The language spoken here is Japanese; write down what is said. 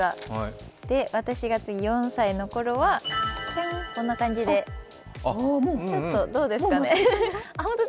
私が次、４歳の頃はこんな感じで、ちょっとどうですかね。